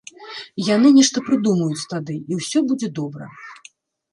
І яны нешта прыдумаюць тады, і ўсё будзе добра.